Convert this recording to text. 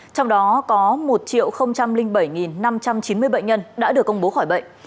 trong đó có một bảy năm trăm chín mươi bệnh nhân đã được công bố khỏi bệnh